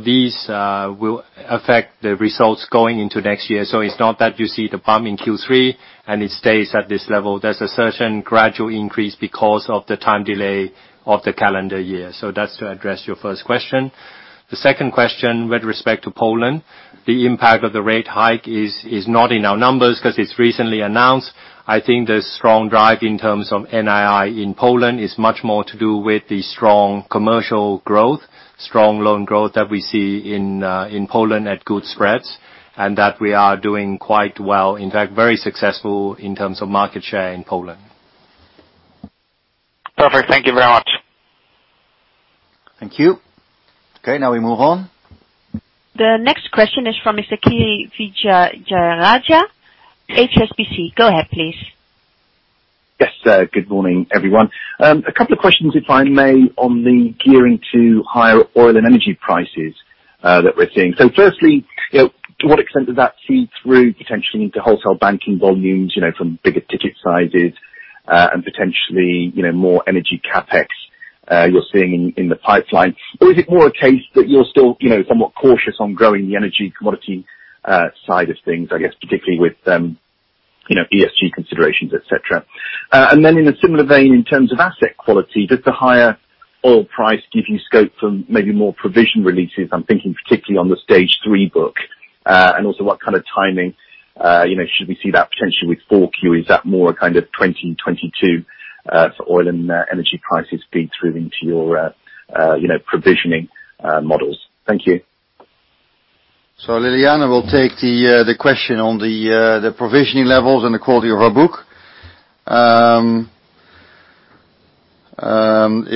These will affect the results going into next year. It's not that you see the bump in Q3, and it stays at this level. There's a certain gradual increase because of the time delay of the calendar year. That's to address your first question. The second question, with respect to Poland, the impact of the rate hike is not in our numbers 'cause it's recently announced. I think the strong drive in terms of NII in Poland is much more to do with the strong commercial growth, strong loan growth that we see in Poland at good spreads, and that we are doing quite well, in fact, very successful in terms of market share in Poland. Perfect. Thank you very much. Thank you. Okay, now we move on. The next question is from Mr. Kirishanthan Vijayarajah, HSBC. Go ahead, please. Yes, good morning, everyone. A couple of questions, if I may, on the gearing to higher oil and energy prices that we're seeing. Firstly, you know, to what extent does that feed through potentially into wholesale banking volumes, you know, from bigger digit sizes, and potentially, you know, more energy CapEx you're seeing in the pipeline? Or is it more a case that you're still, you know, somewhat cautious on growing the energy commodity side of things, I guess, particularly with you know, ESG considerations, et cetera. And then in a similar vein, in terms of asset quality, does the higher oil price give you scope for maybe more provision releases? I'm thinking particularly on the stage three book. And also what kind of timing you know, should we see that potentially with 4Q? Is that more a kind of 2022, for oil and energy prices feed through into your, you know, provisioning, models? Thank you. Ljiljana will take the question on the provisioning levels and the quality of our book.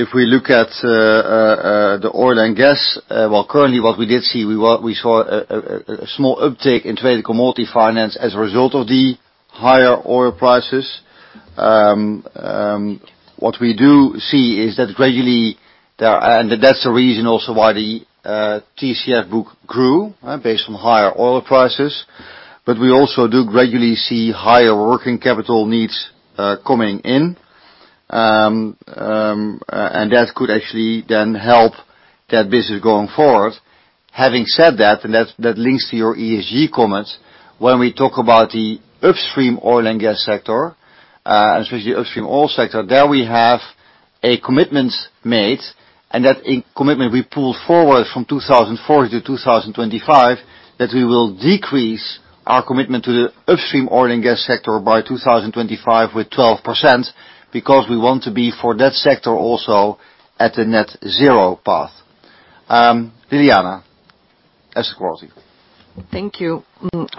If we look at the oil and gas, well, currently, we saw a small uptick in trade commodity finance as a result of the higher oil prices. What we do see is that gradually, and that's the reason also why the TCF book grew based on higher oil prices. We also do gradually see higher working capital needs coming in. That could actually then help that business going forward. Having said that links to your ESG comments, when we talk about the upstream oil and gas sector, and especially the upstream oil sector, there we have a commitment made, and that commitment will be pulled forward from 2004 to 2025, that we will decrease our commitment to the upstream oil and gas sector by 2025 with 12% because we want to be, for that sector also, at a net zero path. Ljiljana Čortan, asset quality. Thank you.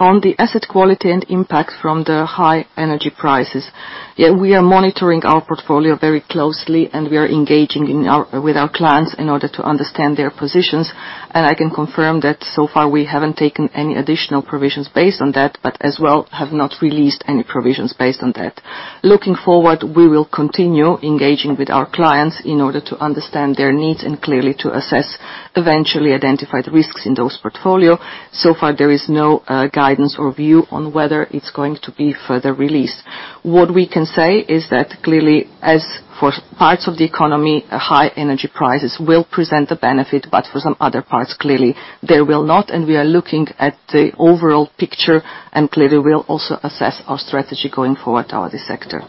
On the asset quality and impact from the high energy prices, yeah, we are monitoring our portfolio very closely, and we are engaging with our clients in order to understand their positions. I can confirm that so far, we haven't taken any additional provisions based on that, but as well have not released any provisions based on that. Looking forward, we will continue engaging with our clients in order to understand their needs and clearly to assess eventually identified risks in those portfolio. So far, there is no guidance or view on whether it's going to be further released. What we can say is that clearly, as for parts of the economy, high energy prices will present a benefit, but for some other parts, clearly they will not. We are looking at the overall picture, and clearly we'll also assess our strategy going forward on this sector.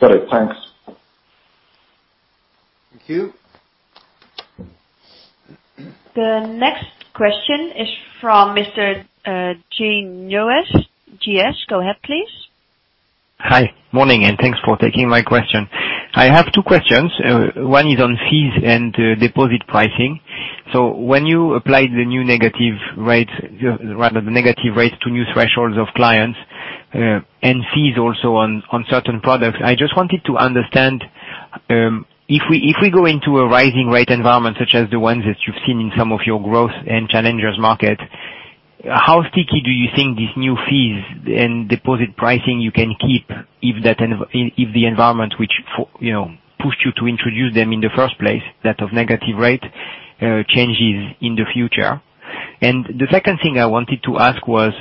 Got it. Thanks. Thank you. The next question is from Mr. Jean Neuez, Goldman Sachs. Go ahead, please. Hi. Good morning, and thanks for taking my question. I have two questions. One is on fees and deposit pricing. When you apply the new negative rates, rather the negative rates to new thresholds of clients, and fees also on certain products, I just wanted to understand if we go into a rising rate environment such as the ones that you've seen in some of your growth and challengers markets, how sticky do you think these new fees and deposit pricing you can keep if the environment which for, you know, pushed you to introduce them in the first place, that of negative rate changes in the future? The second thing I wanted to ask was,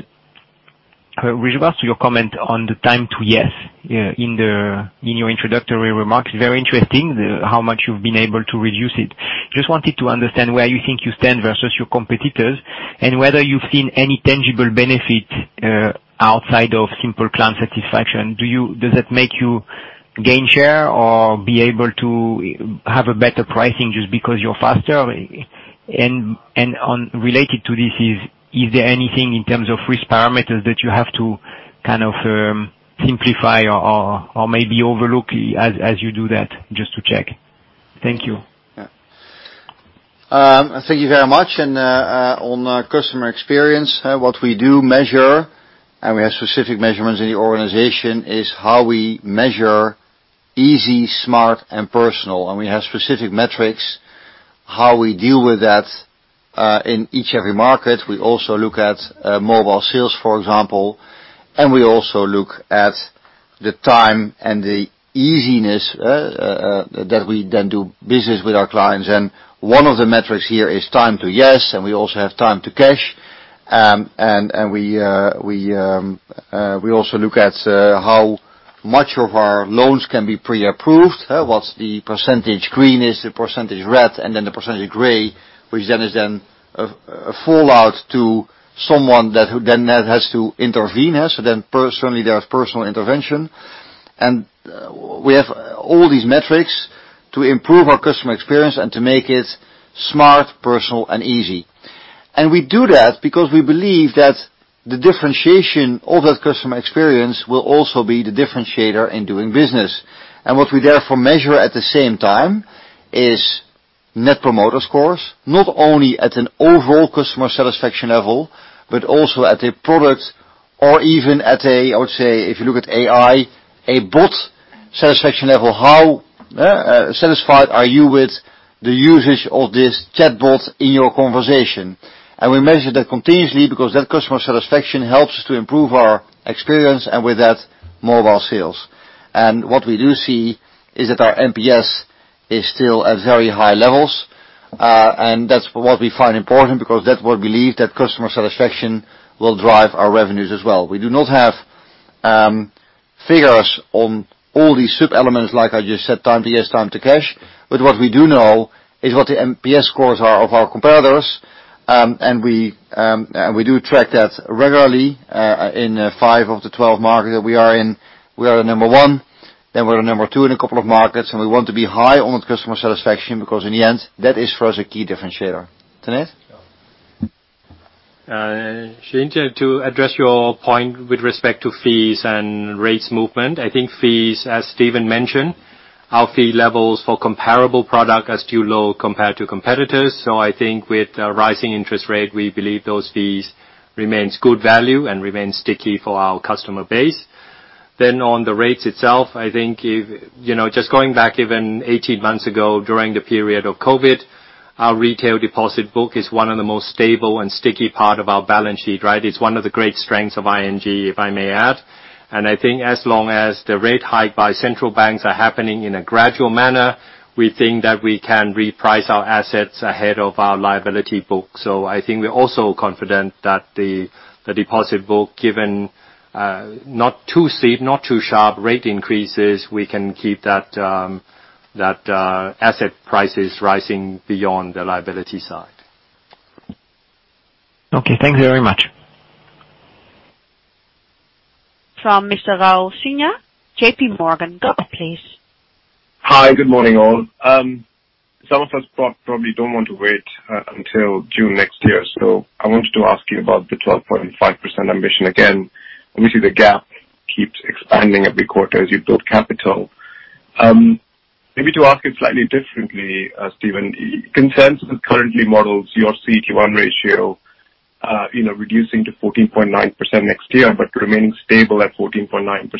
with regards to your comment on the time to yes in your introductory remarks, very interesting, how much you've been able to reduce it. Just wanted to understand where you think you stand versus your competitors and whether you've seen any tangible benefit outside of simple client satisfaction. Does that make you gain share or be able to have a better pricing just because you're faster? Related to this, is there anything in terms of risk parameters that you have to kind of simplify or maybe overlook as you do that? Just to check. Thank you. Yeah. Thank you very much. On customer experience, what we do measure, and we have specific measurements in the organization, is how we measure easy, smart, and personal. We have specific metrics how we deal with that, in each every market. We also look at mobile sales, for example, and we also look at the time and the easiness that we then do business with our clients. One of the metrics here is time to yes, and we also have time to cash. We also look at how much of our loans can be pre-approved, what's the percentage green is, the percentage red, and then the percentage gray, which then is a fallout to someone who then has to intervene. Personally, there's personal intervention. We have all these metrics to improve our customer experience and to make it smart, personal, and easy. We do that because we believe that the differentiation of that customer experience will also be the differentiator in doing business. What we therefore measure at the same time is net promoter scores, not only at an overall customer satisfaction level, but also at a product or even at a, I would say, if you look at AI, a bot satisfaction level. How satisfied are you with the usage of this chatbot in your conversation? We measure that continuously because that customer satisfaction helps to improve our experience and with that, mobile sales. What we do see is that our NPS is still at very high levels. That's what we find important because that's what we believe, that customer satisfaction will drive our revenues as well. We do not have figures on all these sub-elements, like I just said, time to yes, time to cash. What we do know is what the MPS scores are of our competitors, and we do track that regularly. In five of the twelve markets that we are in, we are at number one, then we're at number two in a couple of markets, and we want to be high on customer satisfaction because in the end, that is for us a key differentiator. Tanate? Jean Neuez, to address your point with respect to fees and rates movement, I think fees, as Steven van Rijswijk mentioned, our fee levels for comparable product are still low compared to competitors. I think with a rising interest rate, we believe those fees remains good value and remain sticky for our customer base. On the rates itself, I think if you know, just going back even 18 months ago during the period of COVID, our retail deposit book is one of the most stable and sticky part of our balance sheet, right? It's one of the great strengths of ING, if I may add. I think as long as the rate hike by central banks are happening in a gradual manner, we think that we can reprice our assets ahead of our liability book. I think we're also confident that the deposit book given not too steep, not too sharp rate increases, we can keep that asset prices rising beyond the liability side. Okay, thank you very much. From Mr. Raul Sinha, JPMorgan. Go ahead please. Hi, good morning, all. Some of us probably don't want to wait until June next year, so I wanted to ask you about the 12.5% ambition again. Obviously, the gap keeps expanding every quarter as you build capital. Maybe to ask it slightly differently, Steven. Consensus currently models your CET1 ratio reducing to 14.9% next year, but remaining stable at 14.9%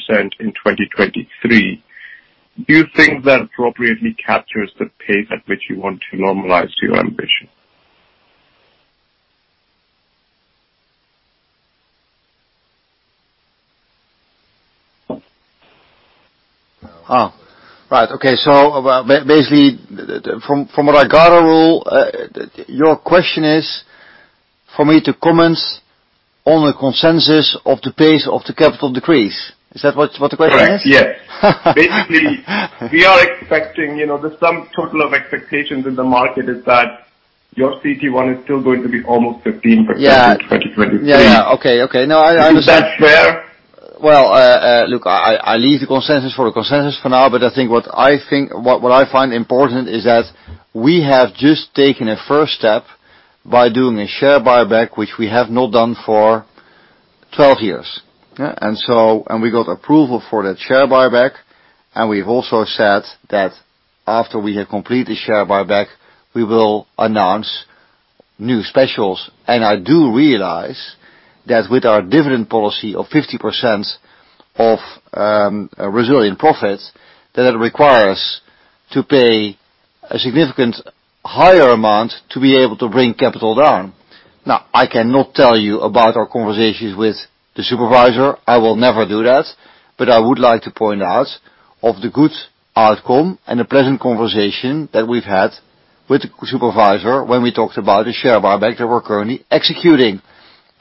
in 2023. Do you think that appropriately captures the pace at which you want to normalize to your ambition? Oh, right. Okay. Basically, from what I gather, Raul, your question is for me to comment on the consensus of the pace of the capital decrease. Is that what the question is? Correct, yeah. Basically, we are expecting, you know. The sum total of expectations in the market is that your CET1 is still going to be almost 15% in 2023. Yeah. Okay. No, I understand. Is that fair? Well, look, I leave the consensus for now, but I think what I find important is that we have just taken a first step by doing a share buyback, which we have not done for 12 years. Yeah. We got approval for that share buyback. We've also said that after we have completed the share buyback, we will announce new specials. I do realize that with our dividend policy of 50% of resilient profits, that it requires to pay a significant higher amount to be able to bring capital down. Now, I cannot tell you about our conversations with the supervisor. I will never do that. I would like to point out the good outcome and the pleasant conversation that we've had with the supervisor when we talked about the share buyback that we're currently executing.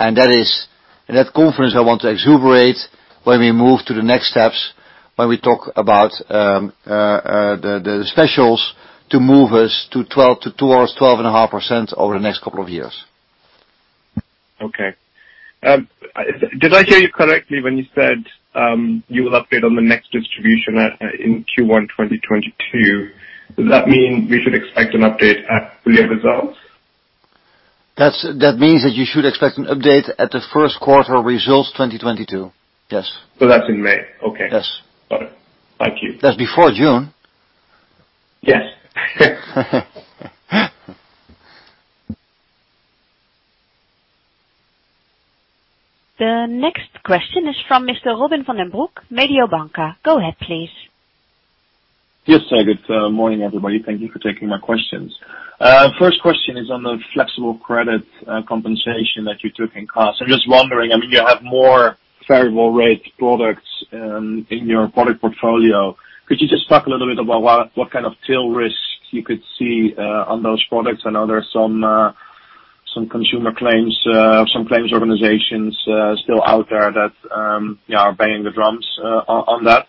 That is, in that context, I want to elaborate when we move to the next steps, when we talk about the specials to move us towards 12.5% over the next couple of years. Okay. Did I hear you correctly when you said you will update on the next distribution in Q1 2022? Does that mean we should expect an update at full year results? That means that you should expect an update at the Q1 results 2022. Yes. That's in May. Okay. Yes. Got it. Thank you. That's before June. Yes. The next question is from Mr. Robin Van Den Broek, Mediobanca. Go ahead, please. Yes. Good morning, everybody. Thank you for taking my questions. First question is on the flexible credit compensation that you took in cost. I'm just wondering, I mean, you have more variable rate products in your product portfolio. Could you just talk a little bit about what kind of tail risks you could see on those products? I know there are some consumer claims, some claims organizations still out there that are banging the drums on that.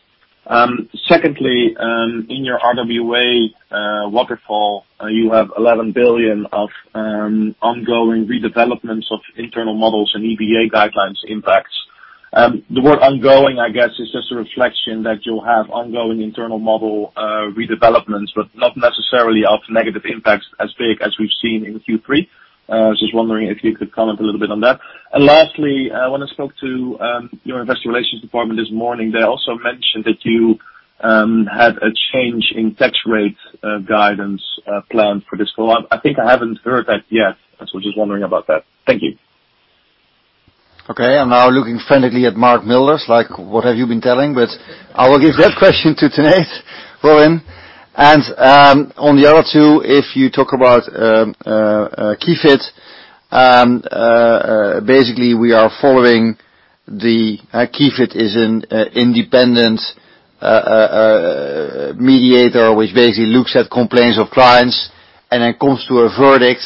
Secondly, in your RWA waterfall, you have 11 billion of ongoing redevelopments of internal models and EBA guidelines impacts. The word ongoing, I guess, is just a reflection that you'll have ongoing internal model redevelopments, but not necessarily of negative impacts as big as we've seen in Q3. Just wondering if you could comment a little bit on that. Lastly, when I spoke to your investor relations department this morning, they also mentioned that you had a change in tax rate guidance planned for this quarter. I think I haven't heard that yet, and so just wondering about that. Thank you. Okay. I'm now looking friendly at Mark Milders, like, what have you been telling? I will give that question to Tanate Phutrakul, Robin Van Den Broek. On the other two, if you talk about Kifid, basically, we are following the Kifid. Kifid is an independent mediator, which basically looks at complaints of clients and then comes to a verdict,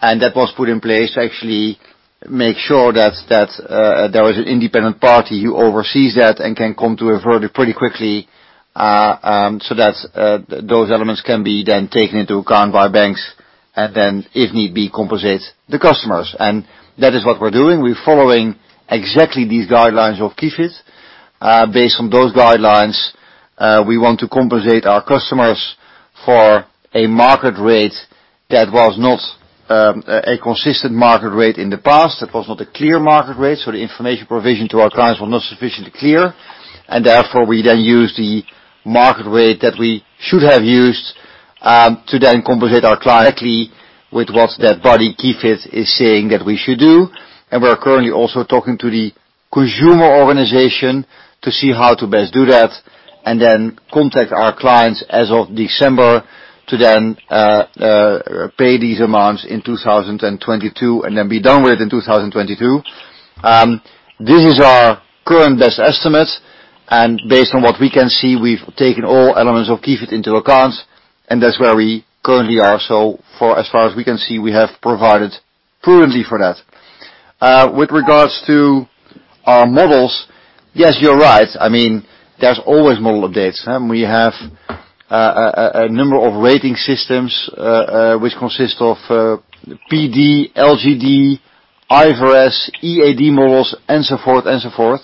and that was put in place to actually make sure that there was an independent party who oversees that and can come to a verdict pretty quickly, so that those elements can be then taken into account by banks and then, if need be, compensate the customers. That is what we're doing. We're following exactly these guidelines of Kifid. Based on those guidelines, we want to compensate our customers for a market rate that was not a consistent market rate in the past. It was not a clear market rate, so the information provision to our clients was not sufficiently clear. Therefore, we then use the market rate that we should have used, to then compensate our clients directly with what that body, Kifid, is saying that we should do. We are currently also talking to the consumer organization to see how to best do that and then contact our clients as of December to then pay these amounts in 2022 and then be done with in 2022. This is our current best estimate. Based on what we can see, we've taken all elements of Kifid into account, and that's where we currently are. For as far as we can see, we have provided prudently for that. With regards to our models, yes, you're right. I mean, there's always model updates. We have a number of rating systems, which consist of PD, LGD, IVRS, EAD models, and so forth.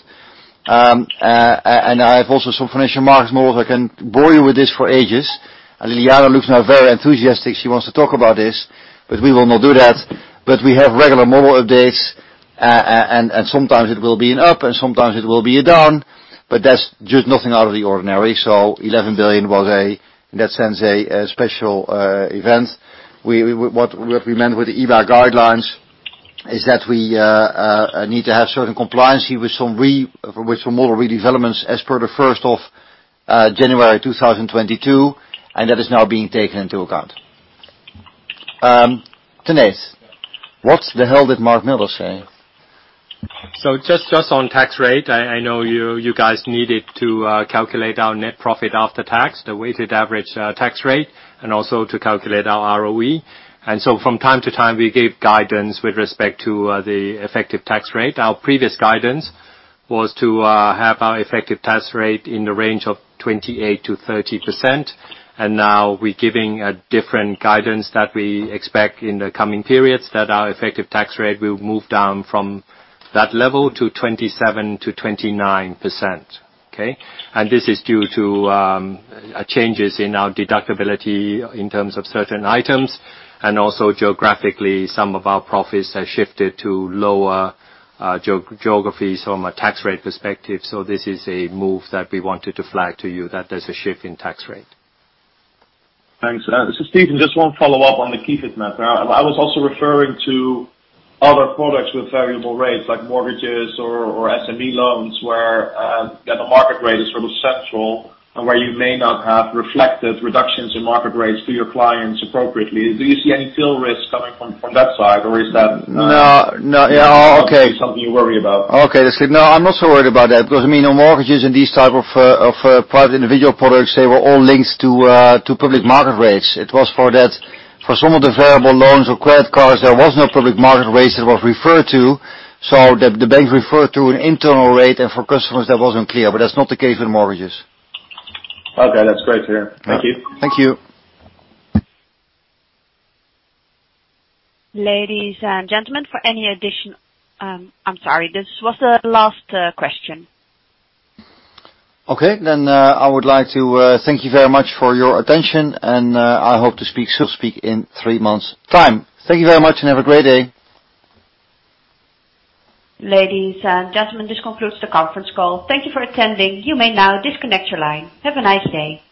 I have also some financial markets models. I can bore you with this for ages. Ljiljana looks now very enthusiastic. She wants to talk about this, but we will not do that. We have regular model updates, and sometimes it will be an up, and sometimes it will be a down, but that's just nothing out of the ordinary. 11 billion was, in that sense, a special event. What we meant with the EBA guidelines is that we need to have certain compliance with some model redevelopments as per January 1, 2022, and that is now being taken into account. Tanate, what the hell did Mark Milders say? Just on tax rate, I know you guys needed to calculate our net profit after tax, the weighted average tax rate, and also to calculate our ROE. From time to time, we gave guidance with respect to the effective tax rate. Our previous guidance was to have our effective tax rate in the range of 28%-30%. Now we're giving a different guidance that we expect in the coming periods that our effective tax rate will move down from that level to 27%-29%. Okay? This is due to changes in our deductibility in terms of certain items. Also geographically, some of our profits have shifted to lower geographies from a tax rate perspective. This is a move that we wanted to flag to you that there's a shift in tax rate. Thanks. Steven, Just one follow-up on the Kifid matter. I was also referring to other products with variable rates like mortgages or SME loans, where that the market rate is sort of central and where you may not have reflected reductions in market rates to your clients appropriately. Do you see any tail risks coming from that side, or is that No. Yeah. Okay. Something you worry about. Okay. No, I'm not so worried about that because, I mean, on mortgages and these type of private individual products, they were all linked to public market rates. It was for that. For some of the variable loans or credit cards, there was no public market rates that was referred to. The bank referred to an internal rate, and for customers that wasn't clear, but that's not the case with mortgages. Okay. That's great to hear. Thank you. Thank you. Ladies and gentlemen, for any addition. I'm sorry, this was the last question. Okay. I would like to thank you very much for your attention, and I hope to still speak in three months' time. Thank you very much, and have a great day. Ladies and gentlemen, this concludes the conference call. Thank you for attending. You may now disconnect your line. Have a nice day.